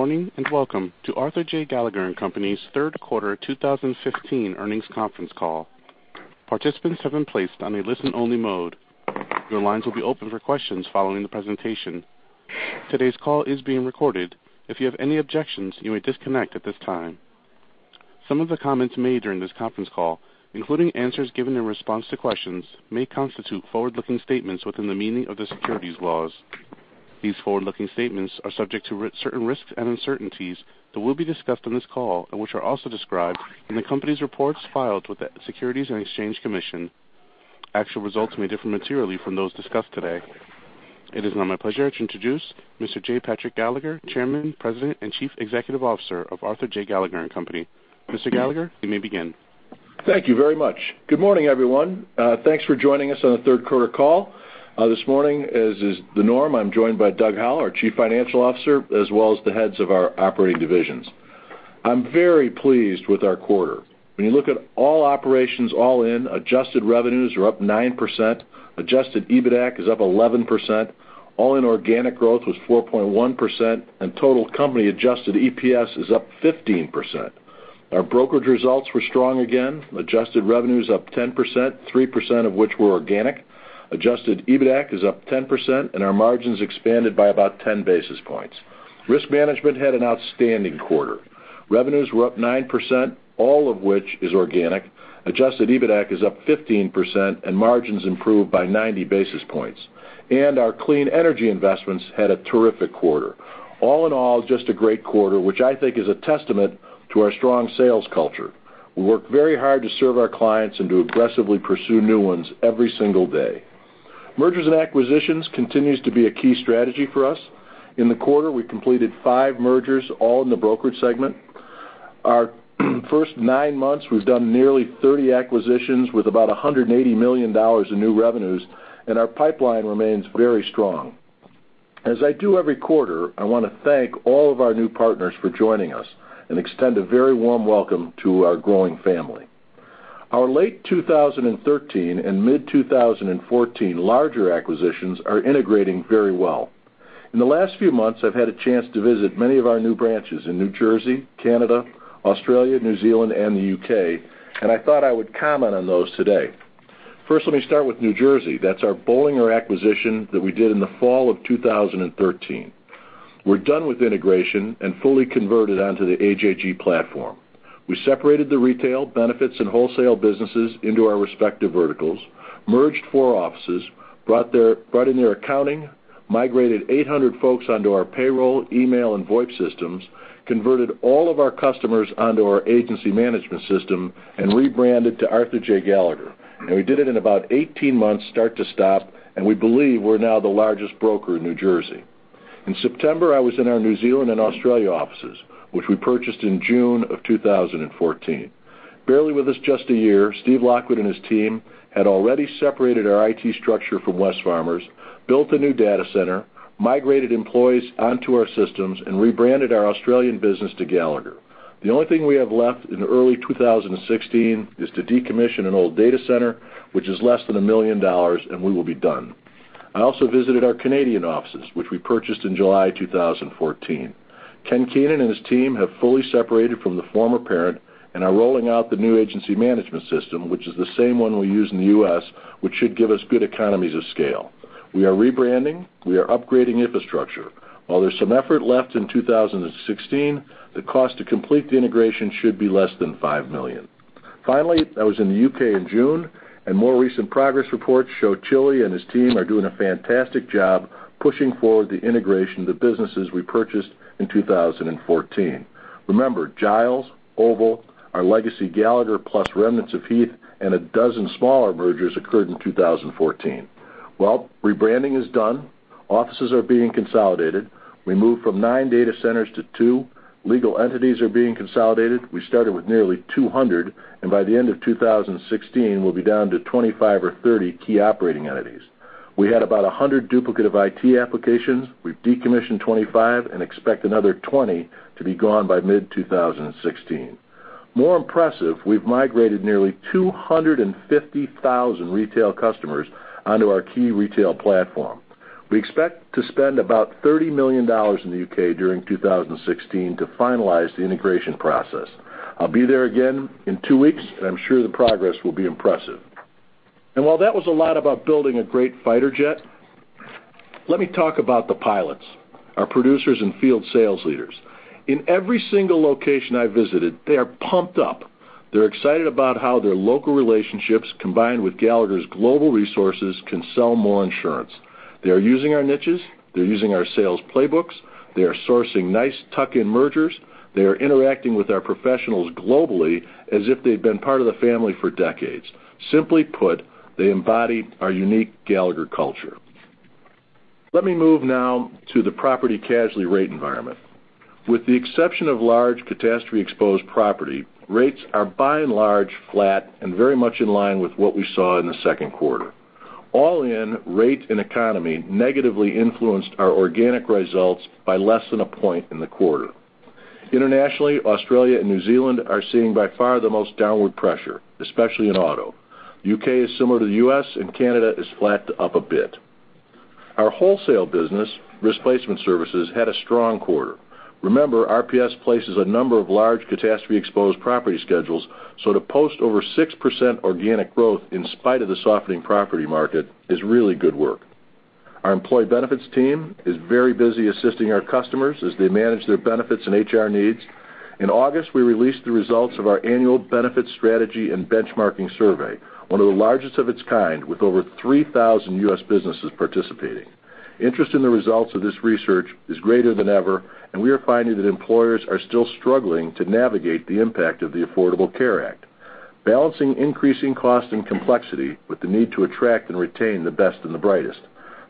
Good morning, and welcome to Arthur J. Gallagher & Company's third quarter 2015 earnings conference call. Participants have been placed on a listen-only mode. Your lines will be open for questions following the presentation. Today's call is being recorded. If you have any objections, you may disconnect at this time. Some of the comments made during this conference call, including answers given in response to questions, may constitute forward-looking statements within the meaning of the securities laws. These forward-looking statements are subject to certain risks and uncertainties that will be discussed on this call, and which are also described in the company's reports filed with the Securities and Exchange Commission. Actual results may differ materially from those discussed today. It is now my pleasure to introduce Mr. J. Patrick Gallagher, Chairman, President, and Chief Executive Officer of Arthur J. Gallagher & Company. Mr. Gallagher, you may begin. Thank you very much. Good morning, everyone. Thanks for joining us on the third quarter call. This morning, as is the norm, I'm joined by Doug Howell, our Chief Financial Officer, as well as the heads of our operating divisions. I'm very pleased with our quarter. When you look at all operations, all in, adjusted revenues are up 9%, adjusted EBITAC is up 11%, all in organic growth was 4.1%, and total company adjusted EPS is up 15%. Our brokerage results were strong again, adjusted revenues up 10%, 3% of which were organic. Adjusted EBITAC is up 10%, and our margins expanded by about 10 basis points. Risk management had an outstanding quarter. Revenues were up 9%, all of which is organic. Adjusted EBITAC is up 15%, and margins improved by 90 basis points. Our clean energy investments had a terrific quarter. All in all, just a great quarter, which I think is a testament to our strong sales culture. We work very hard to serve our clients and to aggressively pursue new ones every single day. Mergers and acquisitions continue to be a key strategy for us. In the quarter, we completed five mergers, all in the brokerage segment. Our first nine months, we've done nearly 30 acquisitions with about $180 million in new revenues, and our pipeline remains very strong. As I do every quarter, I want to thank all of our new partners for joining us and extend a very warm welcome to our growing family. Our late 2013 and mid-2014 larger acquisitions are integrating very well. In the last few months, I've had a chance to visit many of our new branches in New Jersey, Canada, Australia, New Zealand, and the U.K., and I thought I would comment on those today. First, let me start with New Jersey. That's our Bollinger acquisition that we did in the fall of 2013. We're done with integration and fully converted onto the AJG platform. We separated the retail benefits and wholesale businesses into our respective verticals, merged four offices, brought in their accounting, migrated 800 folks onto our payroll, email, and VoIP systems, converted all of our customers onto our agency management system, and rebranded to Arthur J. Gallagher. We did it in about 18 months start to stop, and we believe we're now the largest broker in New Jersey. In September, I was in our New Zealand and Australia offices, which we purchased in June of 2014. Barely with us just a year, Steve Lockwood and his team had already separated our IT structure from Wesfarmers, built a new data center, migrated employees onto our systems, and rebranded our Australian business to Gallagher. The only thing we have left in early 2016 is to decommission an old data center, which is less than $1 million, and we will be done. I also visited our Canadian offices, which we purchased in July 2014. Ken Keenan and his team have fully separated from the former parent and are rolling out the new agency management system, which is the same one we use in the U.S., which should give us good economies of scale. We are rebranding, we are upgrading infrastructure. While there's some effort left in 2016, the cost to complete the integration should be less than $5 million. Finally, I was in the U.K. in June, and more recent progress reports show Giles and his team are doing a fantastic job pushing forward the integration of the businesses we purchased in 2014. Remember, Giles, Oval, our legacy Gallagher plus remnants of Heath, and a dozen smaller mergers occurred in 2014. Rebranding is done. Offices are being consolidated. We moved from nine data centers to two. Legal entities are being consolidated. We started with nearly 200, and by the end of 2016, we'll be down to 25 or 30 key operating entities. We had about 100 duplicate IT applications. We've decommissioned 25 and expect another 20 to be gone by mid-2016. More impressive, we've migrated nearly 250,000 retail customers onto our key retail platform. We expect to spend about $30 million in the U.K. during 2016 to finalize the integration process. I'll be there again in two weeks, and I'm sure the progress will be impressive. While that was a lot about building a great fighter jet, let me talk about the pilots, our producers, and field sales leaders. In every single location I visited, they are pumped up. They're excited about how their local relationships, combined with Gallagher's global resources, can sell more insurance. They are using our niches. They're using our sales playbooks. They are sourcing nice tuck-in mergers. They are interacting with our professionals globally as if they've been part of the family for decades. Simply put, they embody our unique Gallagher culture. Let me move now to the property casualty rate environment. With the exception of large catastrophe-exposed property, rates are by and large flat and very much in line with what we saw in the second quarter. All in, rate and economy negatively influenced our organic results by less than a point in the quarter. Internationally, Australia and New Zealand are seeing by far the most downward pressure, especially in auto. U.K. is similar to the U.S., and Canada is flat up a bit. Our wholesale business, Risk Placement Services, had a strong quarter. Remember, RPS places a number of large catastrophe-exposed property schedules, so to post over 6% organic growth in spite of the softening property market is really good work. Our employee benefits team is very busy assisting our customers as they manage their benefits and HR needs. In August, we released the results of our annual benefit strategy and benchmarking survey, one of the largest of its kind, with over 3,000 U.S. businesses participating. Interest in the results of this research is greater than ever, we are finding that employers are still struggling to navigate the impact of the Affordable Care Act. Balancing increasing cost and complexity with the need to attract and retain the best and the brightest.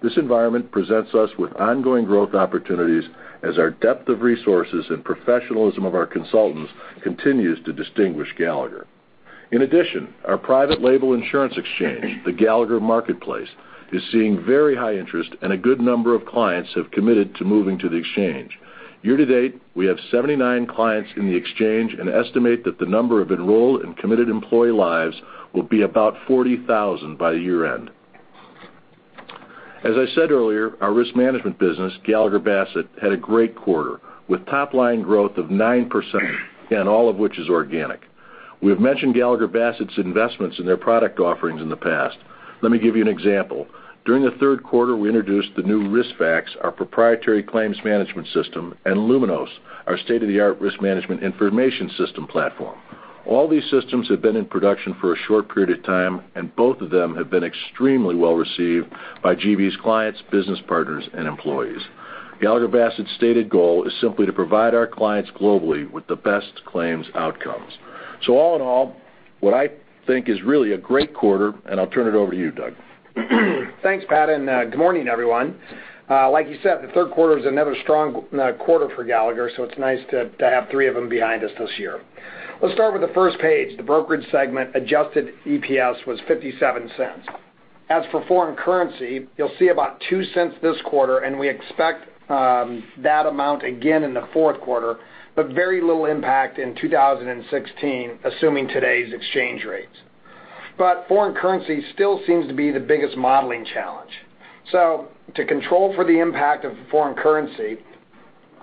This environment presents us with ongoing growth opportunities as our depth of resources and professionalism of our consultants continues to distinguish Gallagher. In addition, our private label insurance exchange, the Gallagher Marketplace, is seeing very high interest and a good number of clients have committed to moving to the exchange. Year-to-date, we have 79 clients in the exchange and estimate that the number of enrolled and committed employee lives will be about 40,000 by year-end. As I said earlier, our risk management business, Gallagher Bassett, had a great quarter, with top-line growth of 9%, all of which is organic. We have mentioned Gallagher Bassett's investments in their product offerings in the past. Let me give you an example. During the third quarter, we introduced the new RiskFacts, our proprietary claims management system, Luminos, our state-of-the-art risk management information system platform. All these systems have been in production for a short period of time, both of them have been extremely well-received by GB's clients, business partners, and employees. Gallagher Bassett's stated goal is simply to provide our clients globally with the best claims outcomes. All in all, what I think is really a great quarter, I'll turn it over to you, Doug. Thanks, Pat, good morning, everyone. Like you said, the third quarter was another strong quarter for Gallagher, it's nice to have three of them behind us this year. Let's start with the first page. The brokerage segment adjusted EPS was $0.57. As for foreign currency, you'll see about $0.02 this quarter, we expect that amount again in the fourth quarter, very little impact in 2016, assuming today's exchange rates. Foreign currency still seems to be the biggest modeling challenge. To control for the impact of foreign currency,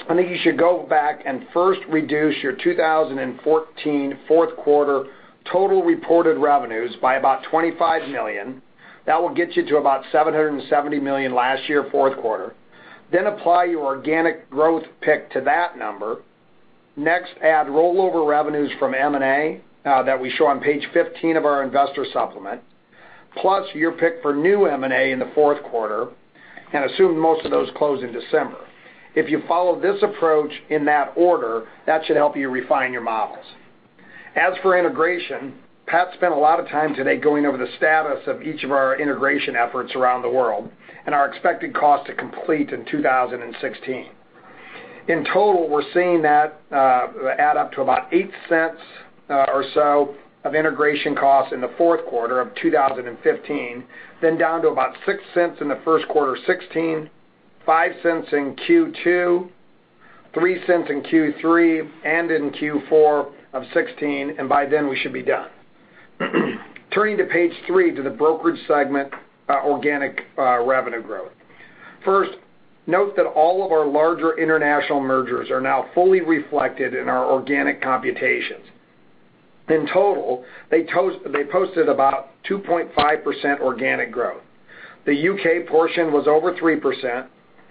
I think you should go back and first reduce your 2014 fourth quarter total reported revenues by about $25 million. That will get you to about $770 million last year, fourth quarter. Apply your organic growth pick to that number. Next, add rollover revenues from M&A that we show on page 15 of our investor supplement. Plus your pick for new M&A in the fourth quarter assume most of those close in December. If you follow this approach in that order, that should help you refine your models. As for integration, Pat spent a lot of time today going over the status of each of our integration efforts around the world our expected cost to complete in 2016. In total, we're seeing that add up to about $0.08 or so of integration cost in the fourth quarter of 2015, down to about $0.06 in the first quarter of 2016, $0.05 in Q2, $0.03 in Q3 and in Q4 of 2016, by then we should be done. Turning to page three to the brokerage segment organic revenue growth. First, note that all of our larger international mergers are now fully reflected in our organic computations. In total, they posted about 2.5% organic growth. The U.K. portion was over 3%,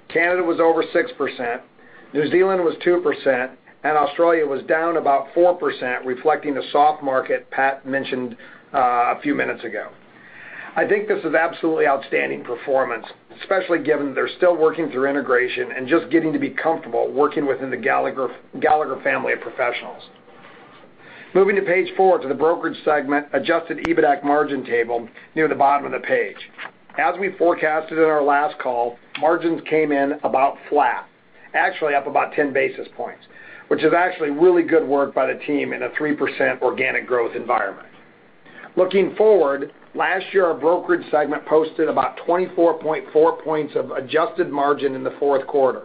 Canada was over 6%, New Zealand was 2%, and Australia was down about 4%, reflecting the soft market Pat mentioned a few minutes ago. I think this is absolutely outstanding performance, especially given they're still working through integration and just getting to be comfortable working within the Gallagher family of professionals. Moving to page four to the brokerage segment, adjusted EBITAC margin table near the bottom of the page. As we forecasted in our last call, margins came in about flat. Actually up about 10 basis points, which is actually really good work by the team in a 3% organic growth environment. Looking forward, last year, our brokerage segment posted about 24.4 points of adjusted margin in the fourth quarter.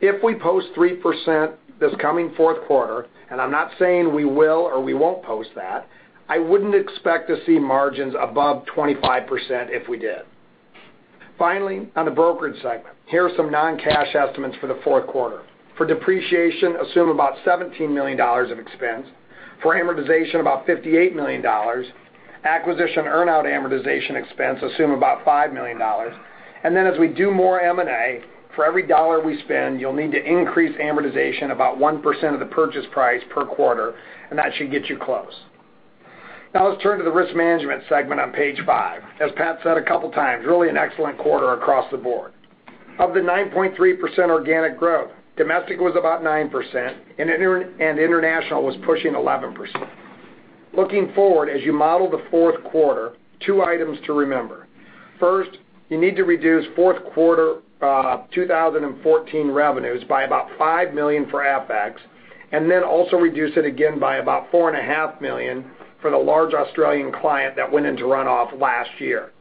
If we post 3% this coming fourth quarter, and I'm not saying we will or we won't post that, I wouldn't expect to see margins above 25% if we did. Finally, on the brokerage segment, here are some non-cash estimates for the fourth quarter. For depreciation, assume about $17 million of expense. For amortization, about $58 million. Acquisition earn-out amortization expense, assume about $5 million. As we do more M&A, for every dollar we spend, you'll need to increase amortization about 1% of the purchase price per quarter, and that should get you close. Now let's turn to the risk management segment on page five. As Pat said a couple of times, really an excellent quarter across the board. Of the 9.3% organic growth, domestic was about 9%, and international was pushing 11%. Looking forward, as you model the fourth quarter, two items to remember. First, you need to reduce fourth quarter 2014 revenues by about $5 million for AppX, also reduce it again by about $4.5 million for the large Australian client that went into runoff last year.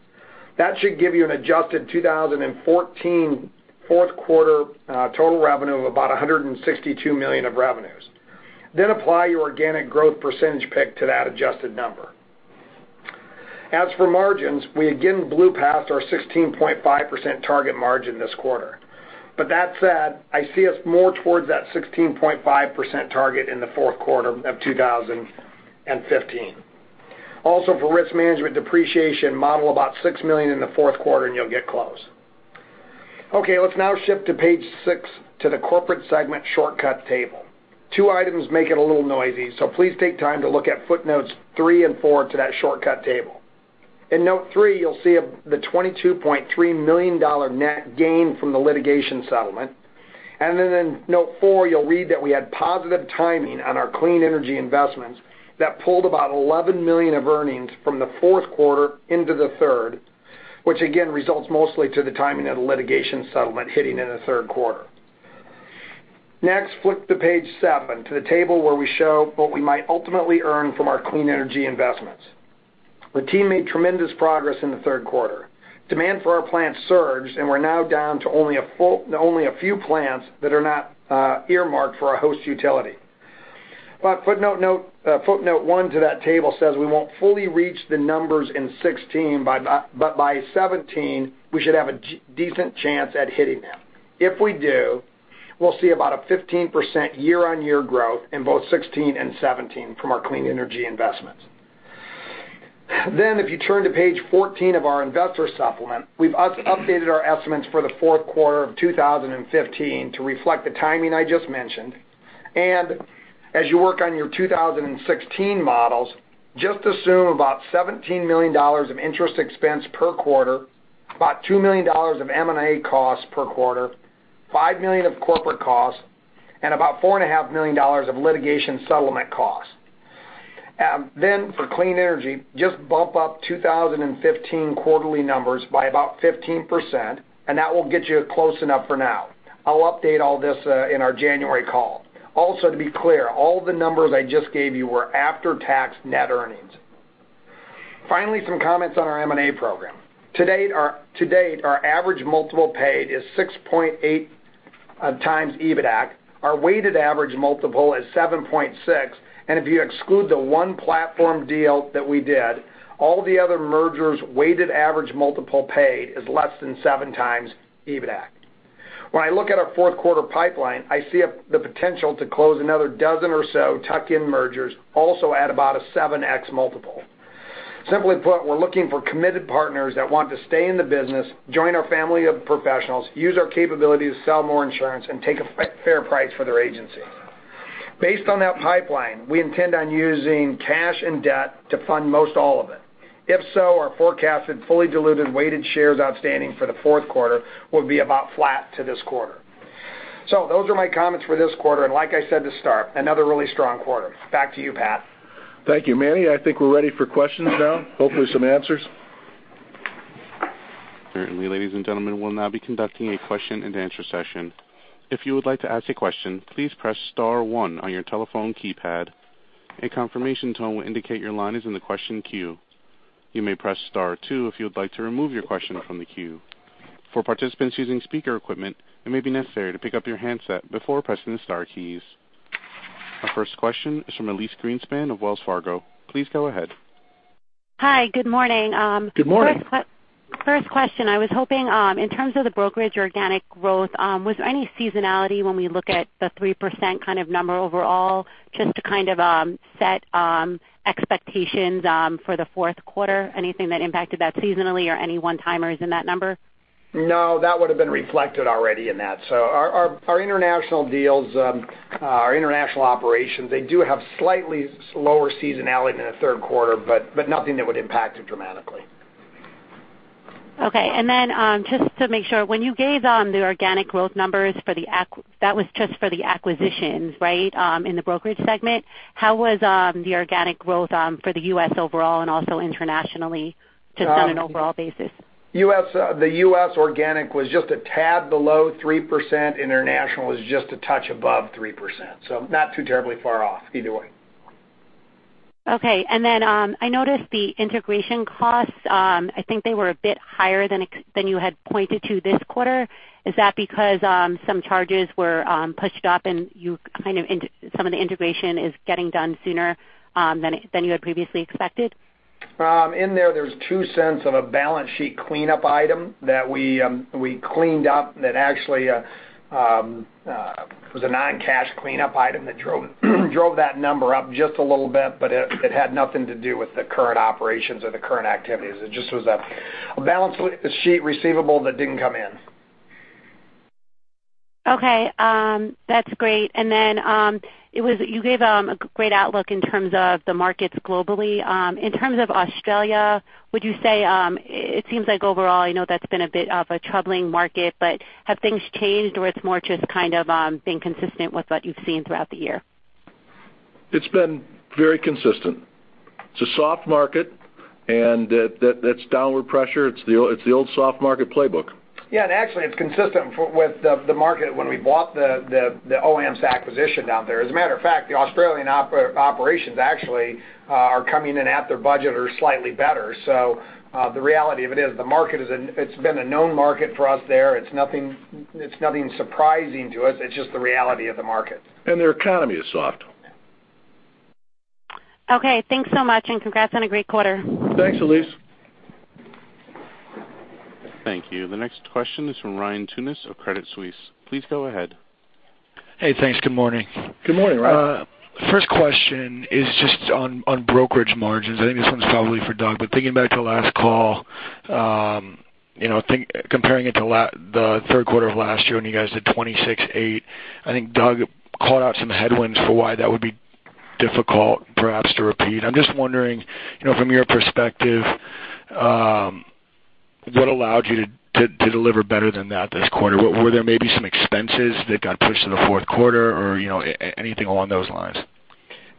That should give you an adjusted 2014 fourth quarter total revenue of about $162 million of revenues. Apply your organic growth percentage pick to that adjusted number. As for margins, we again blew past our 16.5% target margin this quarter. That said, I see us more towards that 16.5% target in the fourth quarter of 2015. Also, for risk management depreciation model, about $6 million in the fourth quarter and you'll get close. Okay. Let's now shift to page six, to the corporate segment shortcut table. Two items make it a little noisy, so please take time to look at footnotes three and four to that shortcut table. In note three, you'll see the $22.3 million net gain from the litigation settlement. In note four, you'll read that we had positive timing on our clean energy investments that pulled about $11 million of earnings from the fourth quarter into the third, which again, results mostly to the timing of the litigation settlement hitting in the third quarter. Flip to page seven, to the table where we show what we might ultimately earn from our clean energy investments. The team made tremendous progress in the third quarter. Demand for our plants surged, and we're now down to only a few plants that are not earmarked for a host utility. Footnote one to that table says we won't fully reach the numbers in 2016, but by 2017, we should have a decent chance at hitting them. If we do, we'll see about a 15% year-over-year growth in both 2016 and 2017 from our clean energy investments. If you turn to page 14 of our investor supplement, we've updated our estimates for the fourth quarter of 2015 to reflect the timing I just mentioned. As you work on your 2016 models, just assume about $17 million of interest expense per quarter, about $2 million of M&A costs per quarter, $5 million of corporate costs, and about $4.5 million of litigation settlement costs. For clean energy, just bump up 2015 quarterly numbers by about 15%, and that will get you close enough for now. I'll update all this in our January call. To be clear, all the numbers I just gave you were after-tax net earnings. Finally, some comments on our M&A program. To date, our average multiple paid is 6.8x EBITDA. Our weighted average multiple is 7.6x. If you exclude the one platform deal that we did, all the other mergers' weighted average multiple paid is less than 7x EBITDA. When I look at our fourth quarter pipeline, I see the potential to close another dozen or so tuck-in mergers also at about a 7x multiple. Simply put, we're looking for committed partners that want to stay in the business, join our family of professionals, use our capabilities to sell more insurance, and take a fair price for their agency. Based on that pipeline, we intend on using cash and debt to fund most all of it. If so, our forecasted fully diluted weighted shares outstanding for the fourth quarter will be about flat to this quarter. Those are my comments for this quarter. Like I said at the start, another really strong quarter. Back to you, Pat. Thank you, Manny. I think we're ready for questions now. Hopefully some answers. Certainly. Ladies and gentlemen, we will now be conducting a question and answer session. If you would like to ask a question, please press star one on your telephone keypad. A confirmation tone will indicate your line is in the question queue. You may press star two if you would like to remove your question from the queue. For participants using speaker equipment, it may be necessary to pick up your handset before pressing the star keys. Our first question is from Elyse Greenspan of Wells Fargo. Please go ahead. Hi. Good morning. Good morning. First question. I was hoping, in terms of the brokerage organic growth, was there any seasonality when we look at the 3% kind of number overall, just to kind of set expectations for the fourth quarter? Anything that impacted that seasonally or any one-timers in that number? No, that would have been reflected already in that. Our international deals, our international operations, they do have slightly slower seasonality in the third quarter, but nothing that would impact it dramatically. Okay. Just to make sure, when you gave the organic growth numbers, that was just for the acquisitions, right? In the brokerage segment. How was the organic growth for the U.S. overall and also internationally, just on an overall basis? The U.S. organic was just a tad below 3%. International was just a touch above 3%. Not too terribly far off either way. Okay. I noticed the integration costs. I think they were a bit higher than you had pointed to this quarter. Is that because some charges were pushed up and some of the integration is getting done sooner than you had previously expected? In there's $0.02 of a balance sheet cleanup item that we cleaned up that actually was a non-cash cleanup item that drove that number up just a little bit. It had nothing to do with the current operations or the current activities. It just was a balance sheet receivable that didn't come in. Okay. That's great. You gave a great outlook in terms of the markets globally. In terms of Australia, would you say, it seems like overall, I know that's been a bit of a troubling market, but have things changed, or it's more just kind of being consistent with what you've seen throughout the year? It's been very consistent. It's a soft market. That's downward pressure. It's the old soft market playbook. Actually it's consistent with the market when we bought the OAMPS acquisition down there. As a matter of fact, the Australian operations actually are coming in at their budget or slightly better. The reality of it is the market it's been a known market for us there. It's nothing surprising to us. It's just the reality of the market. Their economy is soft. Okay, thanks so much, and congrats on a great quarter. Thanks, Elyse. Thank you. The next question is from Ryan Tunis of Credit Suisse. Please go ahead. Hey, thanks. Good morning. Good morning, Ryan. First question is just on brokerage margins. I think this one's probably for Doug, thinking back to last call, comparing it to the third quarter of last year when you guys did 26.8%, I think Doug called out some headwinds for why that would be difficult perhaps to repeat. I'm just wondering, from your perspective, what allowed you to deliver better than that this quarter? Were there maybe some expenses that got pushed to the fourth quarter or anything along those lines?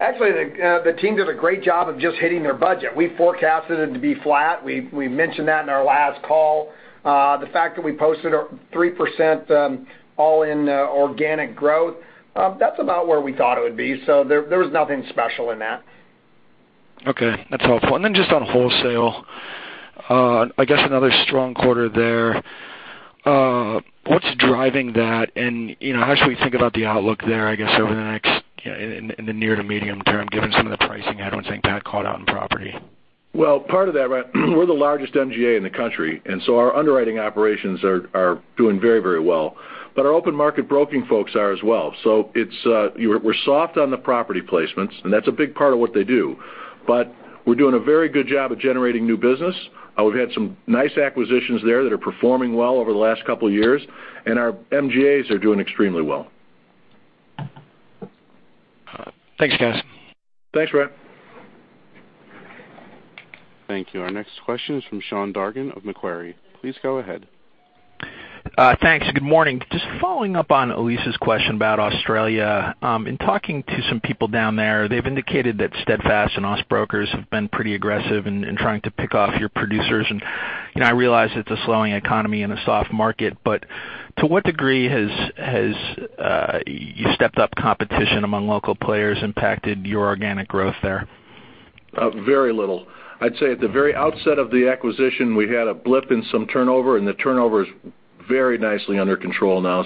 Actually, the team did a great job of just hitting their budget. We forecasted it to be flat. We mentioned that in our last call. The fact that we posted a 3% all-in organic growth, that's about where we thought it would be. There was nothing special in that. Okay, that's helpful. Just on wholesale, I guess another strong quarter there. What's driving that and how should we think about the outlook there, I guess, over the next, in the near to medium term, given some of the pricing headwinds I think Pat called out in property? Well, part of that, Ryan, we're the largest MGA in the country. Our underwriting operations are doing very well. Our open market broking folks are as well. We're soft on the property placements. That's a big part of what they do. We're doing a very good job of generating new business. We've had some nice acquisitions there that are performing well over the last couple of years, and our MGAs are doing extremely well. Thanks, guys. Thanks, Ryan. Thank you. Our next question is from Sean Dargan of Macquarie. Please go ahead. Thanks. Good morning. Just following up on Elyse's question about Australia. In talking to some people down there, they've indicated that Steadfast and Austbrokers have been pretty aggressive in trying to pick off your producers. I realize it's a slowing economy and a soft market, but to what degree has your stepped up competition among local players impacted your organic growth there? Very little. I'd say at the very outset of the acquisition, we had a blip in some turnover. The turnover is very nicely under control now.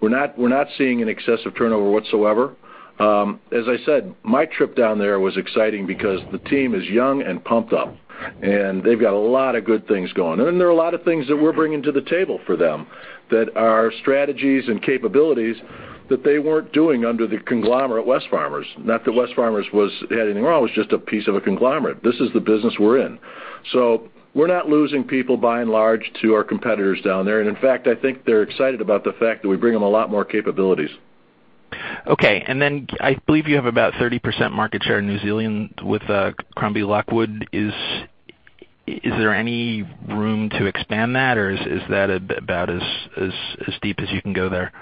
We're not seeing an excessive turnover whatsoever. As I said, my trip down there was exciting because the team is young and pumped up, and they've got a lot of good things going on. There are a lot of things that we're bringing to the table for them that are strategies and capabilities that they weren't doing under the conglomerate, Wesfarmers. Not that Wesfarmers had anything wrong, it was just a piece of a conglomerate. This is the business we're in. We're not losing people by and large to our competitors down there. In fact, I think they're excited about the fact that we bring them a lot more capabilities. Okay. I believe you have about 30% market share in New Zealand with Crombie Lockwood. Is there any room to expand that, or is that about as deep as you can go there?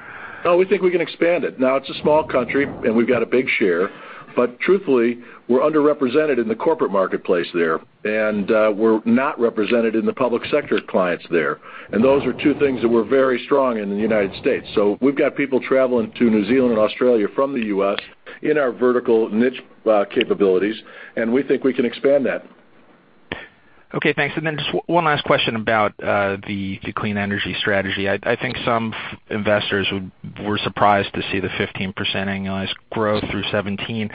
Oh, we think we can expand it. It's a small country and we've got a big share, but truthfully, we're underrepresented in the corporate marketplace there. We're not represented in the public sector clients there. Those are two things that we're very strong in the U.S. We've got people traveling to New Zealand and Australia from the U.S. in our vertical niche capabilities, and we think we can expand that. Okay, thanks. Just one last question about the clean energy strategy. I think some investors were surprised to see the 15% annualized growth through 2017.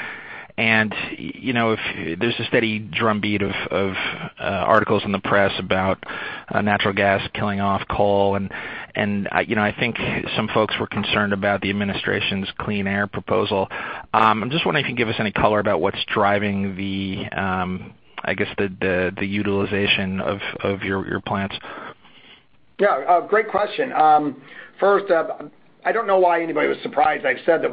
There's a steady drumbeat of articles in the press about natural gas killing off coal, and I think some folks were concerned about the administration's clean air proposal. I'm just wondering if you can give us any color about what's driving the utilization of your plants. Yeah, great question. First up, I don't know why anybody was surprised. I've said that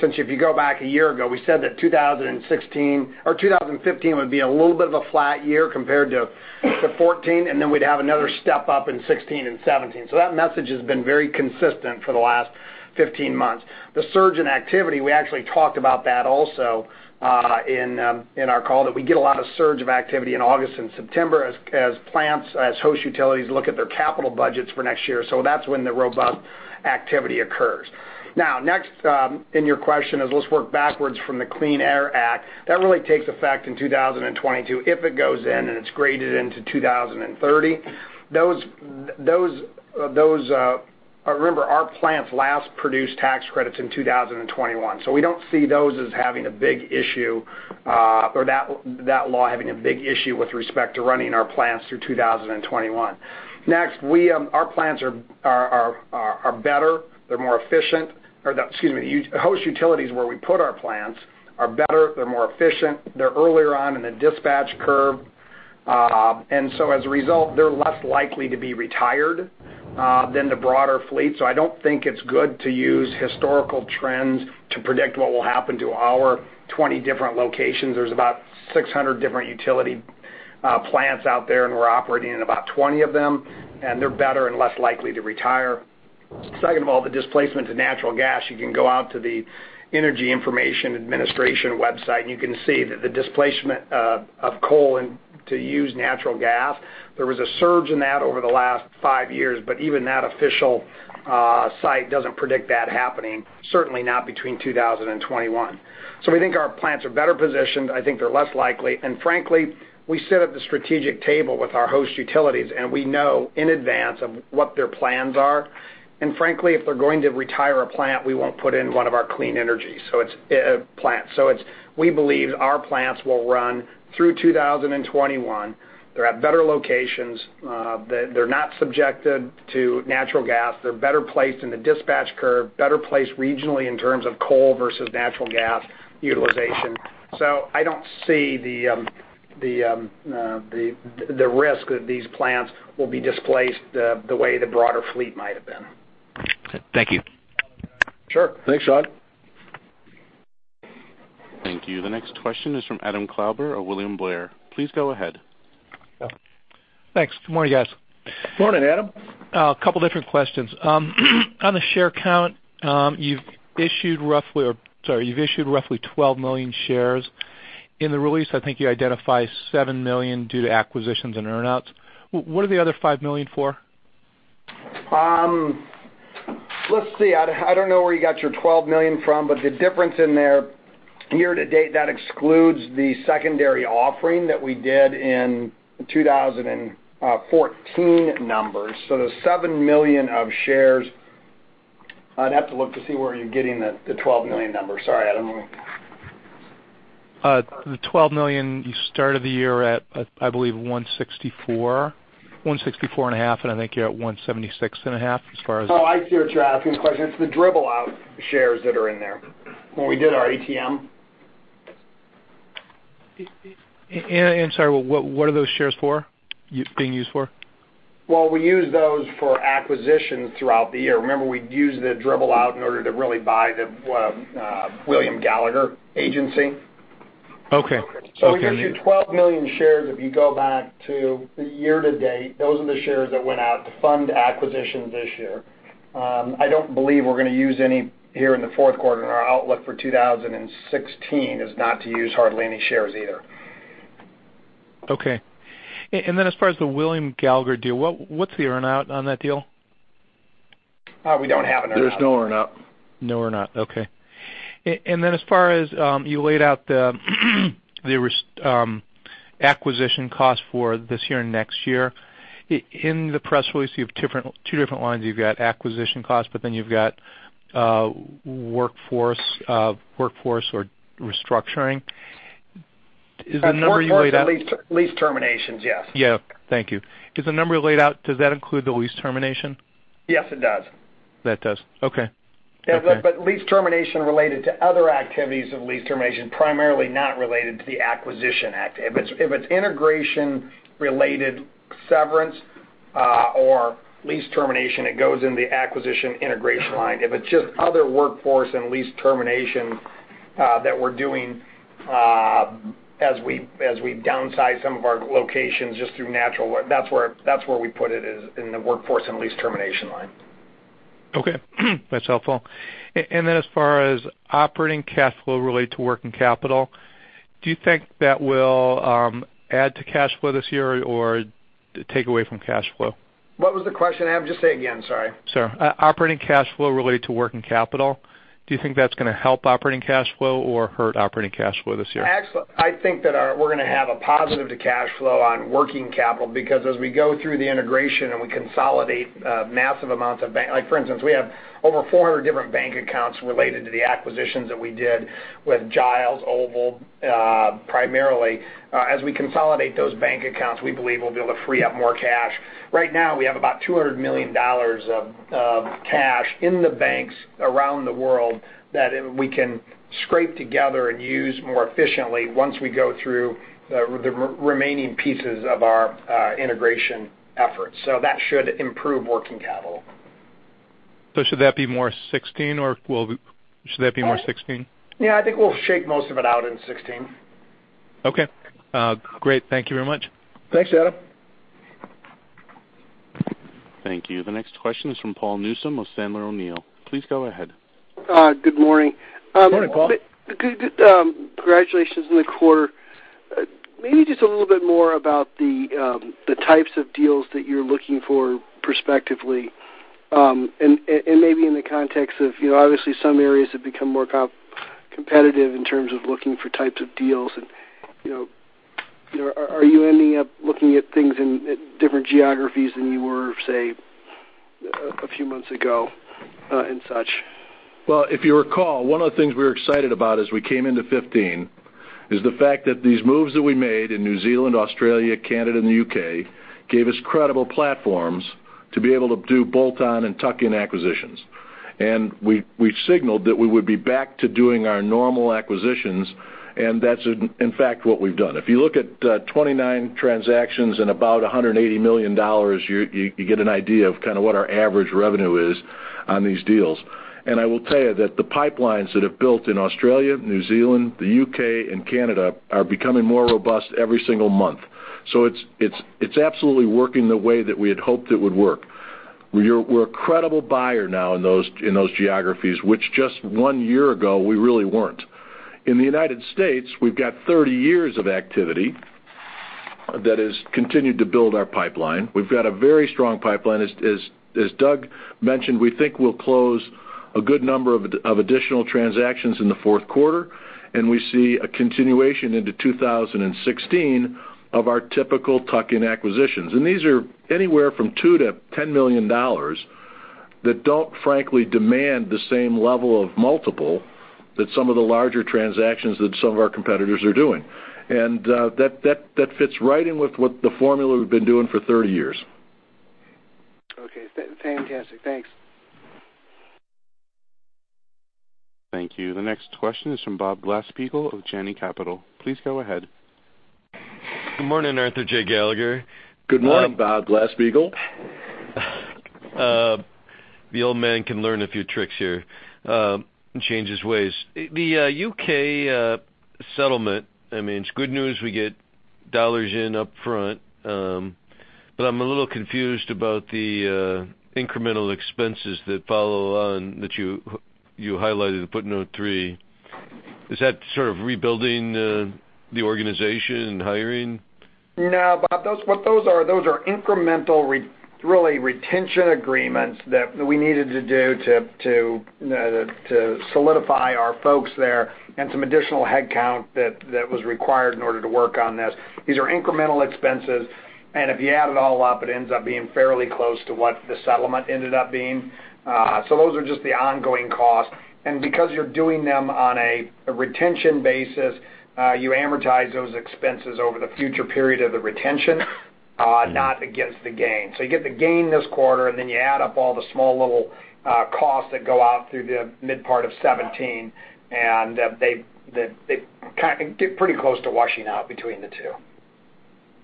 since if you go back a year ago, we said that 2016 or 2015 would be a little bit of a flat year compared to 2014, and then we'd have another step up in 2016 and 2017. That message has been very consistent for the last 15 months. The surge in activity, we actually talked about that also in our call, that we get a lot of surge of activity in August and September as plants, as host utilities look at their capital budgets for next year. That's when the robust activity occurs. Next in your question is, let's work backwards from the Clean Power Plan. That really takes effect in 2022 if it goes in and it's graded into 2030. Remember, our plants last produced tax credits in 2021, we don't see those as having a big issue, or that law having a big issue with respect to running our plants through 2021. Next, our plants are better. They're more efficient. Or excuse me, host utilities where we put our plants are better. They're more efficient. They're earlier on in the dispatch curve. As a result, they're less likely to be retired than the broader fleet. I don't think it's good to use historical trends to predict what will happen to our 20 different locations. There's about 600 different utility plants out there, we're operating in about 20 of them, they're better and less likely to retire. Second of all, the displacement to natural gas, you can go out to the Energy Information Administration website, you can see that the displacement of coal and to use natural gas, there was a surge in that over the last five years, even that official site doesn't predict that happening, certainly not between 2000 and 2021. We think our plants are better positioned. I think they're less likely, frankly, we sit at the strategic table with our host utilities, we know in advance of what their plans are. Frankly, if they're going to retire a plant, we won't put in one of our clean energy plants. We believe our plants will run through 2021. They're at better locations. They're not subjected to natural gas. They're better placed in the dispatch curve, better placed regionally in terms of coal versus natural gas utilization. I don't see the risk that these plants will be displaced the way the broader fleet might have been. Thank you. Sure. Thanks, Todd. Thank you. The next question is from Adam Klauber of William Blair. Please go ahead. Yeah. Thanks. Good morning, guys. Morning, Adam. A couple different questions. On the share count, you've issued roughly 12 million shares. In the release, I think you identify seven million due to acquisitions and earn-outs. What are the other five million for? Let's see. I don't know where you got your $12 million from, the difference in their year-to-date, that excludes the secondary offering that we did in 2014 numbers. The 7 million of shares, I'd have to look to see where you're getting the $12 million number. Sorry, Adam. The $12 million you started the year at, I believe, 164.5, and I think you're at 176.5. Oh, I see what you're asking question. It's the dribble out shares that are in there. When we did our ATM. I'm sorry, what are those shares for, being used for? Well, we use those for acquisitions throughout the year. Remember, we'd use the dribble out in order to really buy the William Gallagher Associates. Okay. We've issued 12 million shares. If you go back to the year-to-date, those are the shares that went out to fund acquisitions this year. I don't believe we're going to use any here in the fourth quarter, and our outlook for 2016 is not to use hardly any shares either. Okay. As far as the William Gallagher deal, what's the earn-out on that deal? We don't have an earn-out. There's no earn-out. Then as far as, you laid out the acquisition cost for this year and next year. In the press release, you have two different lines. You've got acquisition cost, but then you've got workforce or restructuring. Is the number you laid out- That's workforce and lease terminations, yes. Yeah. Thank you. Is the number you laid out, does that include the lease termination? Yes, it does. That does. Okay. Yeah. Lease termination related to other activities of lease termination, primarily not related to the acquisition act. If it's integration related severance or lease termination, it goes in the acquisition integration line. If it's just other workforce and lease termination that we're doing as we downsize some of our locations just through natural, that's where we put it, is in the workforce and lease termination line. Okay. That's helpful. As far as operating cash flow related to working capital, do you think that will add to cash flow this year or take away from cash flow? What was the question, Adam? Just say again, sorry. Sure. Operating cash flow related to working capital, do you think that's going to help operating cash flow or hurt operating cash flow this year? I think that we're going to have a positive to cash flow on working capital because as we go through the integration and we consolidate massive amounts of bank, like for instance, we have over 400 different bank accounts related to the acquisitions that we did with Giles, Oval, primarily. As we consolidate those bank accounts, we believe we'll be able to free up more cash. Right now, we have about $200 million of cash in the banks around the world that we can scrape together and use more efficiently once we go through the remaining pieces of our integration efforts. That should improve working capital. Should that be more 2016? Yeah, I think we'll shake most of it out in 2016. Okay. Great. Thank you very much. Thanks, Adam. Thank you. The next question is from Paul Newsome with Sandler O'Neill. Please go ahead. Good morning. Good morning, Paul. Congratulations on the quarter. Just a little bit more about the types of deals that you're looking for prospectively, and in the context of, obviously some areas have become more competitive in terms of looking for types of deals. Are you ending up looking at things in different geographies than you were, say, a few months ago and such? If you recall, one of the things we were excited about as we came into 2015 is the fact that these moves that we made in New Zealand, Australia, Canada, and the U.K. gave us credible platforms to be able to do bolt-on and tuck-in acquisitions. We signaled that we would be back to doing our normal acquisitions, and that's in fact what we've done. If you look at 29 transactions and about $180 million, you get an idea of kind of what our average revenue is on these deals. I will tell you that the pipelines that have built in Australia, New Zealand, the U.K., and Canada are becoming more robust every single month. It's absolutely working the way that we had hoped it would work. We're a credible buyer now in those geographies, which just one year ago, we really weren't. In the U.S., we've got 30 years of activity that has continued to build our pipeline. We've got a very strong pipeline. As Doug mentioned, we think we'll close a good number of additional transactions in the fourth quarter, and we see a continuation into 2016 of our typical tuck-in acquisitions. These are anywhere from $2 million-$10 million that don't frankly demand the same level of multiple that some of the larger transactions that some of our competitors are doing. That fits right in with what the formula we've been doing for 30 years. Okay. Fantastic. Thanks. Thank you. The next question is from Bob Glasspiegel of Janney Capital. Please go ahead. Good morning, Arthur J. Gallagher. Good morning, Bob Glasspiegel. The old man can learn a few tricks here, and change his ways. The U.K. settlement, it's good news we get dollars in up front. I'm a little confused about the incremental expenses that follow on, that you highlighted in footnote three. Is that sort of rebuilding the organization and hiring? No, Bob. Those are incremental, really retention agreements that we needed to do to solidify our folks there and some additional headcount that was required in order to work on this. These are incremental expenses, and if you add it all up, it ends up being fairly close to what the settlement ended up being. Those are just the ongoing costs. Because you're doing them on a retention basis, you amortize those expenses over the future period of the retention, not against the gain. You get the gain this quarter, and then you add up all the small little costs that go out through the mid part of 2017, and they get pretty close to washing out between the two.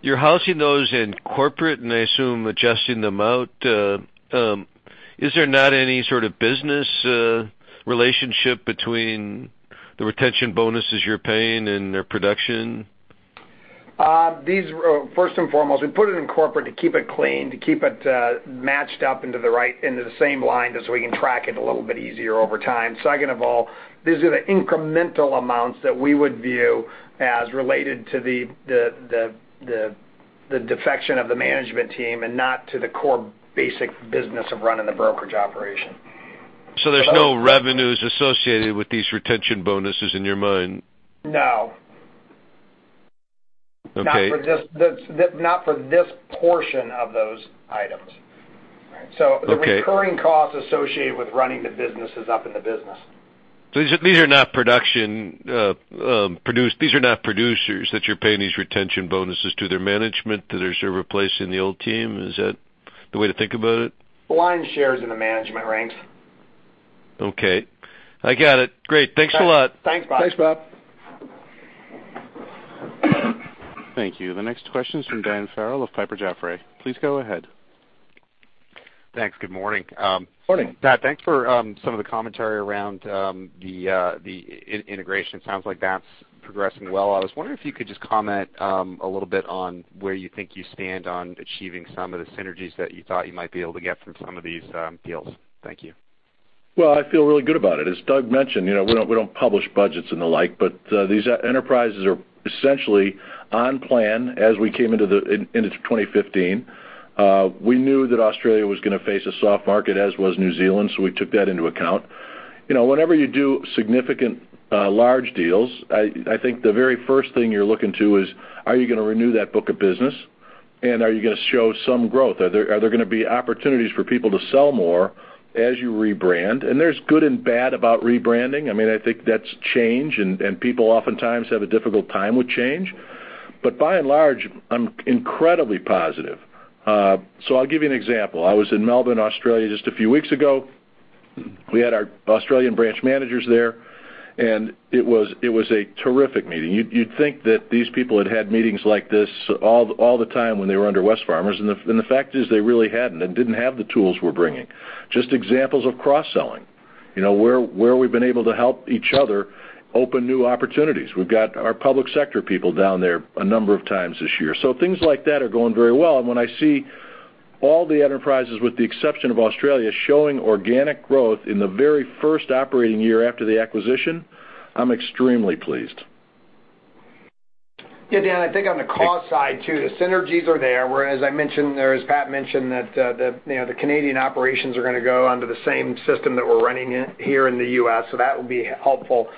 You're housing those in corporate, and I assume adjusting them out. Is there not any sort of business relationship between the retention bonuses you're paying and their production? First and foremost, we put it in corporate to keep it clean, to keep it matched up into the same line as we can track it a little bit easier over time. Second of all, these are the incremental amounts that we would view as related to the defection of the management team and not to the core basic business of running the brokerage operation. There's no revenues associated with these retention bonuses in your mind? No. Okay. Not for this portion of those items. Okay. The recurring costs associated with running the business is up in the business. These are not producers that you're paying these retention bonuses to. They're management that are sort of replacing the old team? Is that the way to think about it? Lion's share's in the management ranks. Okay. I got it. Great. Thanks a lot. Thanks, Bob. Thanks, Bob. Thank you. The next question is from Dan Farrell of Piper Jaffray. Please go ahead. Thanks. Good morning. Morning. Pat, thanks for some of the commentary around the integration. Sounds like that's progressing well. I was wondering if you could just comment a little bit on where you think you stand on achieving some of the synergies that you thought you might be able to get from some of these deals. Thank you. I feel really good about it. As Doug mentioned, we don't publish budgets and the like, but these enterprises are essentially on plan as we came into 2015. We knew that Australia was going to face a soft market, as was New Zealand, so we took that into account. Whenever you do significant, large deals, I think the very first thing you're looking to is, are you going to renew that book of business? Are you going to show some growth? Are there going to be opportunities for people to sell more as you rebrand? There's good and bad about rebranding. I think that's change, and people oftentimes have a difficult time with change. By and large, I'm incredibly positive. I'll give you an example. I was in Melbourne, Australia just a few weeks ago. We had our Australian branch managers there, it was a terrific meeting. You'd think that these people had had meetings like this all the time when they were under Wesfarmers. The fact is they really hadn't and didn't have the tools we're bringing. Just examples of cross-selling, where we've been able to help each other open new opportunities. We've got our public sector people down there a number of times this year. Things like that are going very well. When I see all the enterprises, with the exception of Australia, showing organic growth in the very first operating year after the acquisition, I'm extremely pleased. Dan, I think on the cost side too, the synergies are there, where as I mentioned there, as Pat mentioned that the Canadian operations are going to go under the same system that we're running here in the U.S., that will be helpful.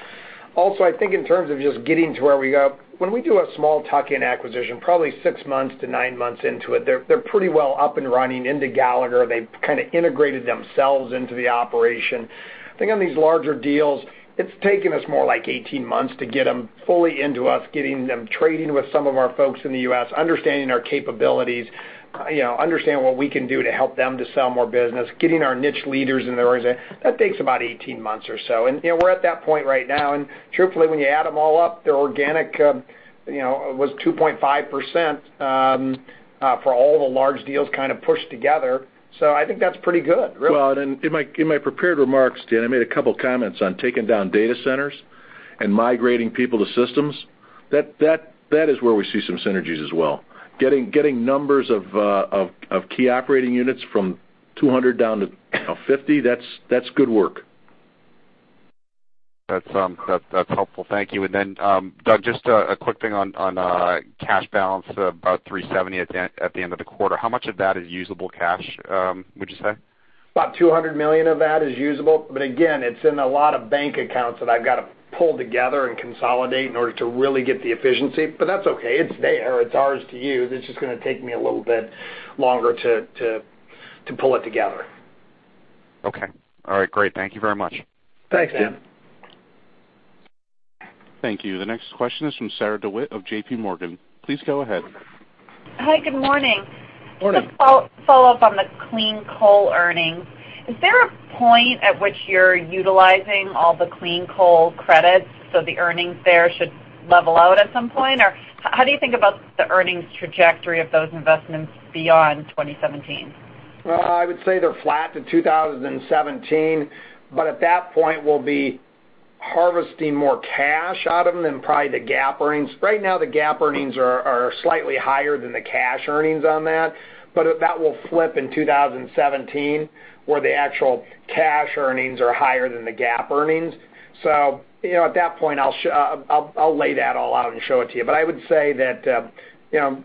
I think in terms of just getting to where we go, when we do a small tuck-in acquisition, probably six months to nine months into it, they're pretty well up and running into Gallagher. They've kind of integrated themselves into the operation. I think on these larger deals, it's taken us more like 18 months to get them fully into us, getting them trading with some of our folks in the U.S., understanding our capabilities, understanding what we can do to help them to sell more business, getting our niche leaders in the organization. That takes about 18 months or so. We're at that point right now. Truthfully, when you add them all up, their organic was 2.5% for all the large deals kind of pushed together. I think that's pretty good, really. In my prepared remarks, Dan, I made a couple comments on taking down data centers and migrating people to systems. That is where we see some synergies as well. Getting numbers of key operating units from 200 down to 50, that's good work. That's helpful. Thank you. Doug, just a quick thing on cash balance, about $370 at the end of the quarter. How much of that is usable cash, would you say? About $200 million of that is usable, again, it's in a lot of bank accounts that I've got to pull together and consolidate in order to really get the efficiency. That's okay. It's there. It's ours to use. It's just going to take me a little bit longer to pull it together. Okay. All right. Great. Thank you very much. Thanks, Dan. Thank you. Thank you. The next question is from Sarah DeWitt of J.P. Morgan. Please go ahead. Hi, good morning. Morning. Just follow up on the clean coal earnings. Is there a point at which you're utilizing all the clean coal credits, so the earnings there should level out at some point? Or how do you think about the earnings trajectory of those investments beyond 2017? I would say they're flat to 2017, but at that point, we'll be harvesting more cash out of them than probably the GAAP earnings. Right now, the GAAP earnings are slightly higher than the cash earnings on that, but that will flip in 2017, where the actual cash earnings are higher than the GAAP earnings. At that point, I'll lay that all out and show it to you. I would say that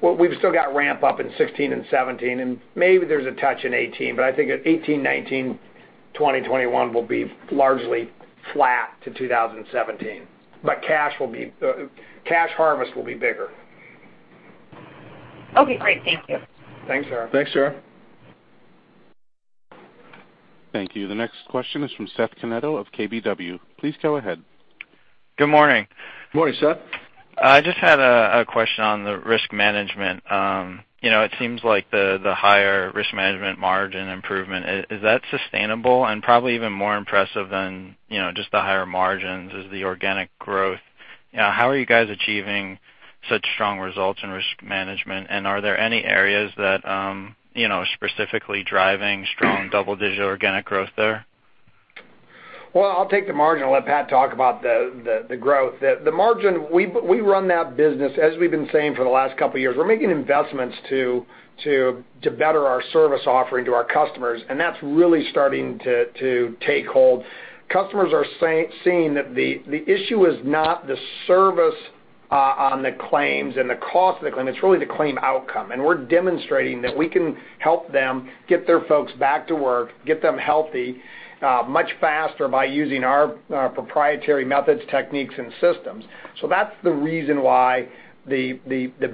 we've still got ramp-up in 2016 and 2017, and maybe there's a touch in 2018, but I think at 2018, 2019, 2020, 2021, we'll be largely flat to 2017. Cash harvest will be bigger. Okay, great. Thank you. Thanks, Sarah. Thanks, Sarah. Thank you. The next question is from Seth Canetto of KBW. Please go ahead. Good morning. Morning, Seth. I just had a question on the risk management. It seems like the higher risk management margin improvement, is that sustainable? Probably even more impressive than just the higher margins is the organic growth. How are you guys achieving such strong results in risk management, and are there any areas that specifically driving strong double-digit organic growth there? Well, I'll take the margin. I'll let Pat talk about the growth. The margin, we run that business, as we've been saying for the last couple of years. We're making investments to better our service offering to our customers, that's really starting to take hold. Customers are seeing that the issue is not the service on the claims and the cost of the claim. It's really the claim outcome. We're demonstrating that we can help them get their folks back to work, get them healthy much faster by using our proprietary methods, techniques, and systems. That's the reason why the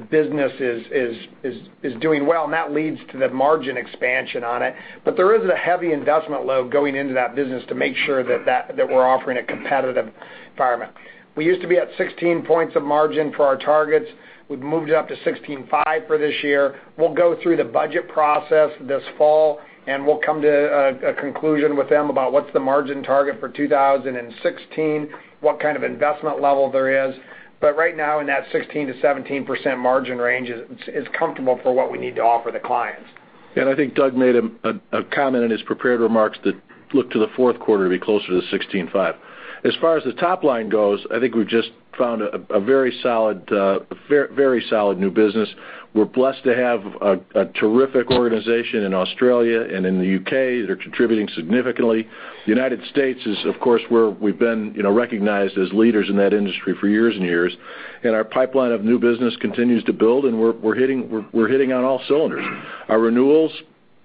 business is doing well, and that leads to the margin expansion on it. There is a heavy investment load going into that business to make sure that we're offering a competitive environment. We used to be at 16 points of margin for our targets. We've moved it up to 16.5% for this year. We'll go through the budget process this fall, we'll come to a conclusion with them about what's the margin target for 2016, what kind of investment level there is. Right now, in that 16%-17% margin range is comfortable for what we need to offer the clients. I think Doug made a comment in his prepared remarks that look to the fourth quarter to be closer to 16.5%. As far as the top line goes, I think we've just found a very solid new business. We're blessed to have a terrific organization in Australia and in the U.K. They're contributing significantly. The United States is, of course, where we've been recognized as leaders in that industry for years and years. Our pipeline of new business continues to build, and we're hitting on all cylinders. Our renewals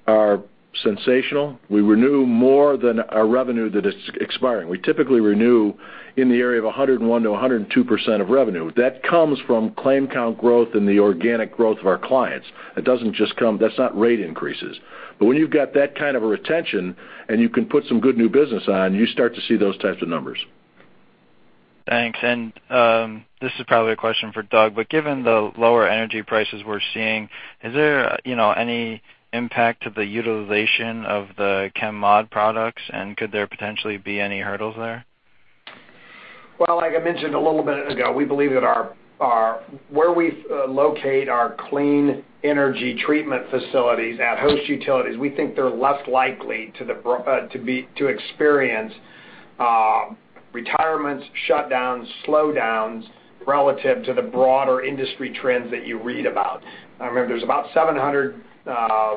are sensational. We renew more than our revenue that is expiring. We typically renew in the area of 101%-102% of revenue. That comes from claim count growth and the organic growth of our clients. That's not rate increases. When you've got that kind of retention and you can put some good new business on, you start to see those types of numbers. Thanks. This is probably a question for Doug, but given the lower energy prices we're seeing, is there any impact to the utilization of the Chem-Mod products, and could there potentially be any hurdles there? Like I mentioned a little bit ago, we believe that where we locate our clean energy treatment facilities at host utilities, we think they're less likely to experience retirements, shutdowns, slowdowns relative to the broader industry trends that you read about. I remember there's about 700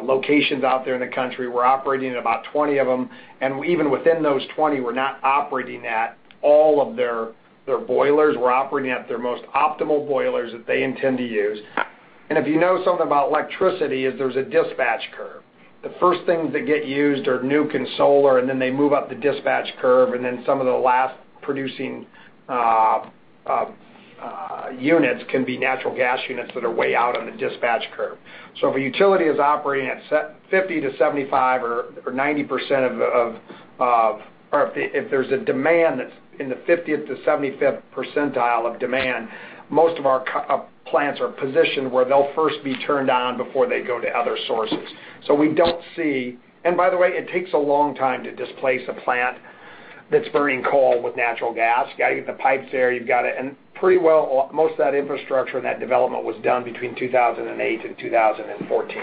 locations out there in the country. We're operating at about 20 of them, and even within those 20, we're not operating at all of their boilers. We're operating at their most optimal boilers that they intend to use. If you know something about electricity, there's a dispatch curve. The first things that get used are nuke and solar, and then they move up the dispatch curve, and then some of the last producing units can be natural gas units that are way out on the dispatch curve. If a utility is operating at 50% to 75% or 90%, or if there's a demand that's in the 50th to 75th percentile of demand, most of our plants are positioned where they'll first be turned on before they go to other sources. By the way, it takes a long time to displace a plant that's burning coal with natural gas. You've got to get the pipes there. Pretty well, most of that infrastructure and that development was done between 2008 and 2014.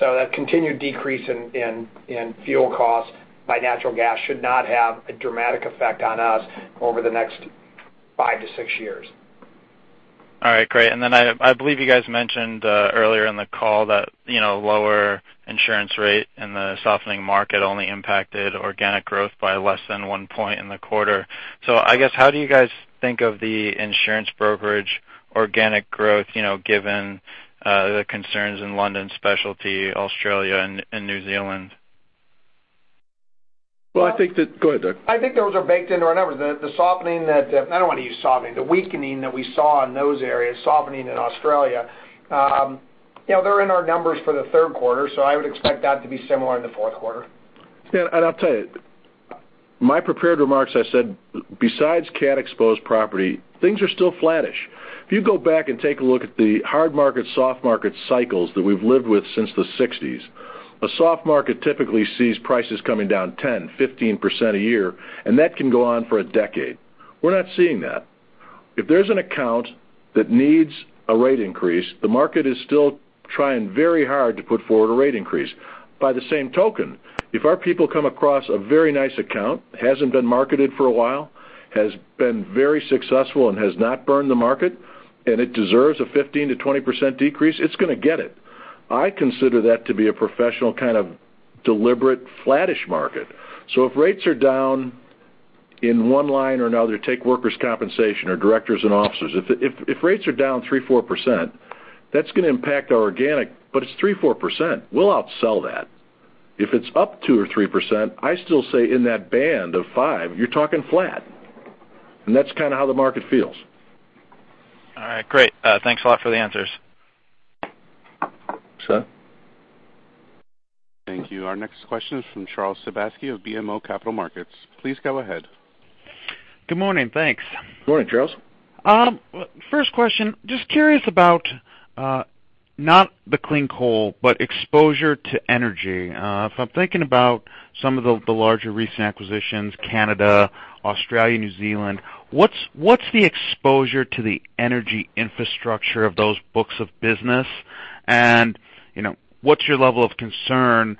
That continued decrease in fuel costs by natural gas should not have a dramatic effect on us over the next 5 to 6 years. All right, great. I believe you guys mentioned earlier in the call that lower insurance rate and the softening market only impacted organic growth by less than one point in the quarter. I guess, how do you guys think of the insurance brokerage organic growth, given the concerns in London specialty Australia and New Zealand? I think. Go ahead, Doug. I think those are baked into our numbers. The weakening that we saw in those areas, softening in Australia. They're in our numbers for the third quarter, I would expect that to be similar in the fourth quarter. I'll tell you. My prepared remarks, I said, besides cat-exposed property, things are still flattish. If you go back and take a look at the hard market, soft market cycles that we've lived with since the '60s, a soft market typically sees prices coming down 10%, 15% a year, that can go on for a decade. We're not seeing that. If there's an account that needs a rate increase, the market is still trying very hard to put forward a rate increase. By the same token, if our people come across a very nice account, hasn't been marketed for a while, has been very successful and has not burned the market, it deserves a 15%-20% decrease, it's going to get it. I consider that to be a professional kind of deliberate flattish market. If rates are down in one line or another, take workers' compensation or directors and officers. If rates are down 3%, 4%, that's going to impact our organic, but it's 3%, 4%. We'll outsell that. If it's up 2% or 3%, I still say in that band of 5, you're talking flat. That's kind of how the market feels. All right, great. Thanks a lot for the answers. Seth? Thank you. Our next question is from Charles Sebaski of BMO Capital Markets. Please go ahead. Good morning. Thanks. Good morning, Charles. First question, just curious about, not the clean coal, but exposure to energy. If I'm thinking about some of the larger recent acquisitions, Canada, Australia, New Zealand, what's the exposure to the energy infrastructure of those books of business? What's your level of concern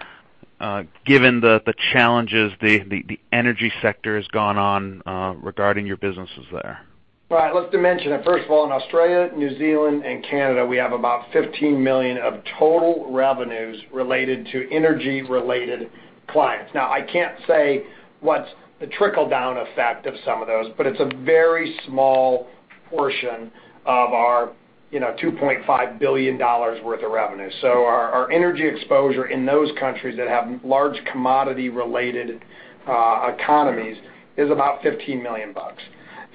given the challenges the energy sector has gone on regarding your businesses there? Right. Let's dimension it. First of all, in Australia, New Zealand, and Canada, we have about $15 million of total revenues related to energy related clients. Now, I can't say what's the trickle-down effect of some of those, it's a very small portion of our $2.5 billion worth of revenue. Our energy exposure in those countries that have large commodity related economies is about $15 million. If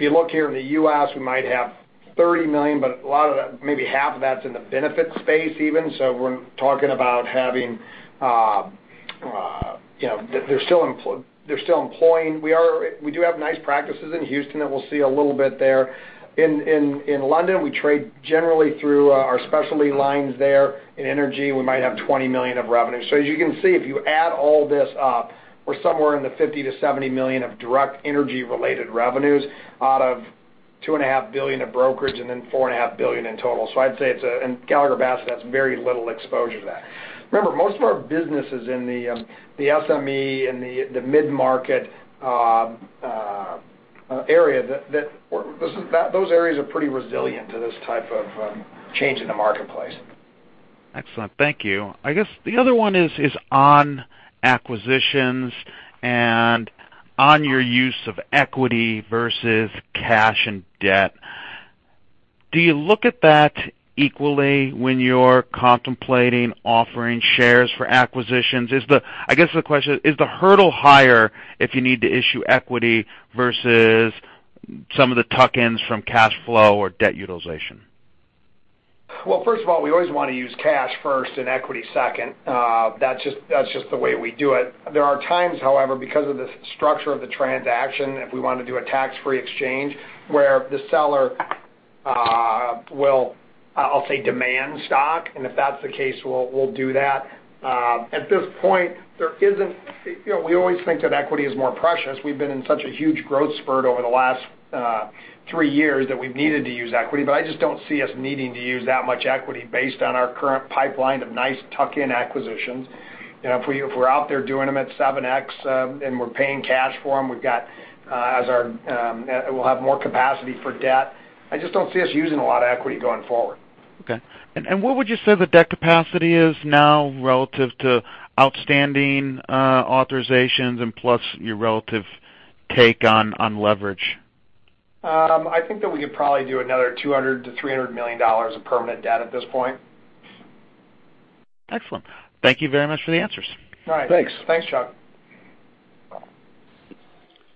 you look here in the U.S., we might have $30 million, but maybe half of that's in the benefit space even, we're talking about. They're still employing. We do have nice practices in Houston that we'll see a little bit there. In London, we trade generally through our specialty lines there. In energy, we might have $20 million of revenue. As you can see, if you add all this up, we're somewhere in the $50 million-$70 million of direct energy related revenues out of $2.5 billion of brokerage and then $4.5 billion in total. I'd say, Gallagher Bassett has very little exposure to that. Remember, most of our business is in the SME and the mid-market area. Those areas are pretty resilient to this type of change in the marketplace. Excellent. Thank you. I guess the other one is on acquisitions and on your use of equity versus cash and debt. Do you look at that equally when you're contemplating offering shares for acquisitions? I guess the question is the hurdle higher if you need to issue equity versus some of the tuck-ins from cash flow or debt utilization? Well, first of all, we always want to use cash first and equity second. That's just the way we do it. There are times, however, because of the structure of the transaction, if we want to do a tax-free exchange, where the seller will, I'll say, demand stock, and if that's the case, we'll do that. At this point, we always think that equity is more precious. We've been in such a huge growth spurt over the last three years that we've needed to use equity. I just don't see us needing to use that much equity based on our current pipeline of nice tuck-in acquisitions. If we're out there doing them at 7X and we're paying cash for them, we'll have more capacity for debt. I just don't see us using a lot of equity going forward. Okay. What would you say the debt capacity is now relative to outstanding authorizations and plus your relative take on leverage? I think that we could probably do another $200 million-$300 million of permanent debt at this point. Excellent. Thank you very much for the answers. All right. Thanks. Thanks, Charles.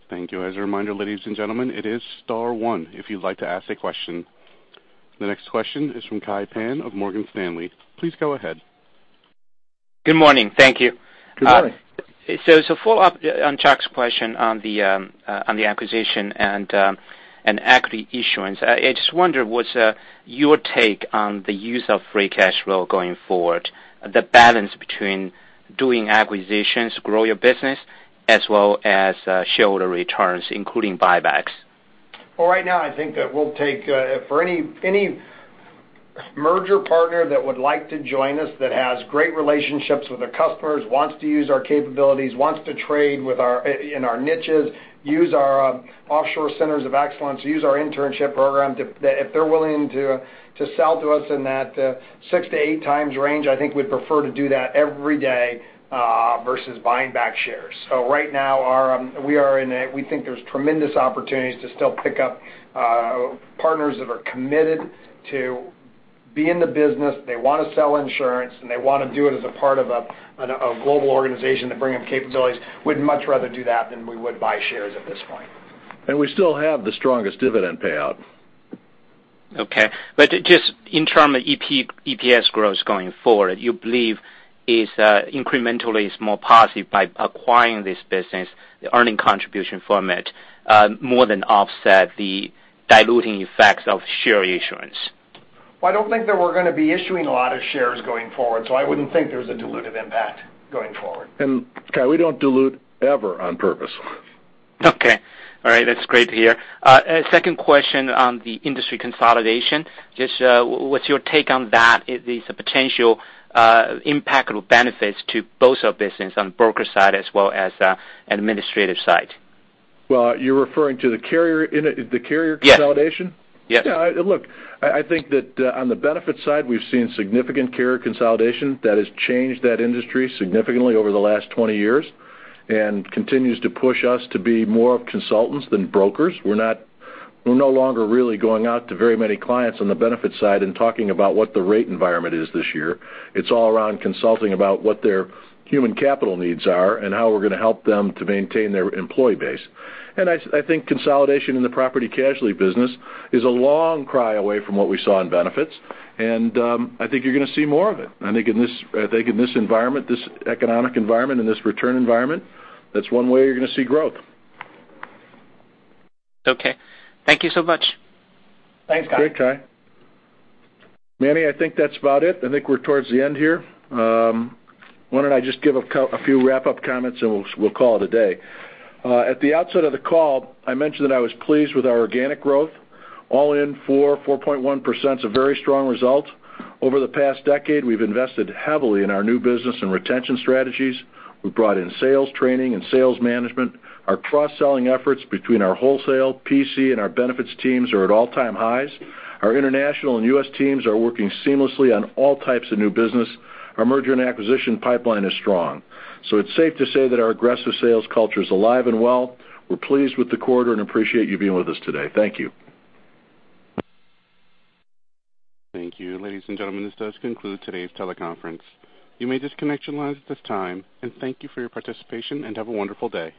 Thank you. As a reminder, ladies and gentlemen, it is star one if you'd like to ask a question. The next question is from Kai Pan of Morgan Stanley. Please go ahead. Good morning. Thank you. Good morning. As a follow-up on Charles's question on the acquisition and equity issuance. I just wonder what's your take on the use of free cash flow going forward, the balance between doing acquisitions to grow your business as well as shareholder returns, including buybacks? Well, right now, I think that we'll take for any merger partner that would like to join us that has great relationships with their customers, wants to use our capabilities, wants to trade in our niches, use our offshore centers of excellence, use our internship program, if they're willing to sell to us in that 6x-8x range, I think we'd prefer to do that every day, versus buying back shares. Right now, we think there's tremendous opportunities to still pick up partners that are committed to be in the business, they want to sell insurance, and they want to do it as a part of a global organization to bring them capabilities. We'd much rather do that than we would buy shares at this point. We still have the strongest dividend payout. Okay. Just in terms of EPS growth going forward, you believe is incrementally more positive by acquiring this business, the earning contribution from it, more than offset the diluting effects of share issuance? I don't think that we're going to be issuing a lot of shares going forward, so I wouldn't think there's a dilutive impact going forward. Kai, we don't dilute ever on purpose. Okay. All right. That's great to hear. Second question on the industry consolidation. Just what's your take on that? The potential impact or benefits to both our business on broker side as well as administrative side? Well, you're referring to the carrier consolidation? Yes. Yeah. Look, I think that on the benefit side, we've seen significant carrier consolidation that has changed that industry significantly over the last 20 years and continues to push us to be more of consultants than brokers. We're no longer really going out to very many clients on the benefit side and talking about what the rate environment is this year. It's all around consulting about what their human capital needs are and how we're going to help them to maintain their employee base. I think consolidation in the property casualty business is a long cry away from what we saw in benefits, and I think you're going to see more of it. I think in this environment, this economic environment, in this return environment, that's one way you're going to see growth. Okay. Thank you so much. Thanks, Kai. Great, Kai. Manny, I think that's about it. I think we're towards the end here. Why don't I just give a few wrap-up comments and we'll call it a day. At the outset of the call, I mentioned that I was pleased with our organic growth, all in for 4.1% a very strong result. Over the past decade, we've invested heavily in our new business and retention strategies. We've brought in sales training and sales management. Our cross-selling efforts between our wholesale P&C and our benefits teams are at all-time highs. Our international and U.S. teams are working seamlessly on all types of new business. Our merger and acquisition pipeline is strong. It's safe to say that our aggressive sales culture is alive and well. We're pleased with the quarter and appreciate you being with us today. Thank you. Thank you. Ladies and gentlemen, this does conclude today's teleconference. You may disconnect your lines at this time, thank you for your participation, and have a wonderful day.